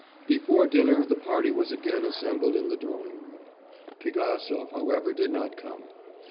Before dinner the party was again assembled in the drawing room. Pigasov, however, did not come.